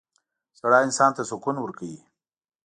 • ژړا انسان ته سکون ورکوي.